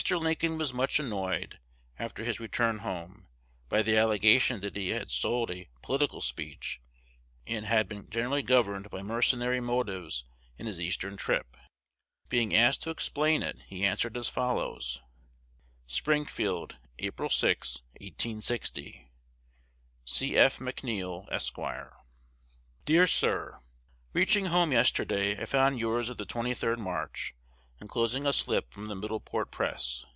Lincoln was much annoyed, after his return home, by the allegation that he had sold a "political speech," and had been generally governed by mercenary motives in his Eastern trip. Being asked to explain it, he answered as follows: Springfield, April 6, 1860. C. F. McNeill, Esq. Dear Sir, Reaching home yesterday, I found yours of the 23d March, enclosing a slip from "The Middleport Press."